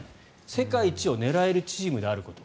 世界一を狙えるチームであること。